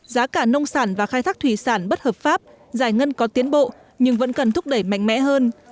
giá cả nông sản và khai thác thủy sản bất hợp pháp giải ngân có tiến bộ nhưng vẫn cần thúc đẩy mạnh mẽ hơn